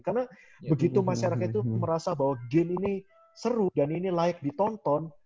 karena begitu masyarakat itu merasa bahwa game ini seru dan ini layak ditonton